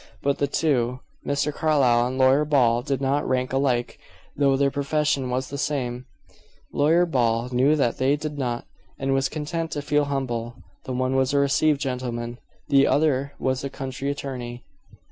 But the two, Mr. Carlyle and Lawyer Ball did not rank alike, though their profession was the same; Lawyer Ball knew that they did not, and was content to feel humble. The one was a received gentleman; the other was a country attorney.